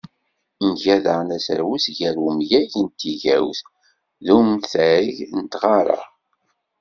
Nga daɣen aserwes gar umyag n tigawt, d umtag n tɣara.